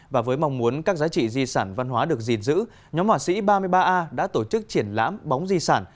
và với mong muốn các giá trị di sản văn hóa được gìn giữ nhóm họa sĩ ba mươi ba a đã tổ chức triển lãm bóng di sản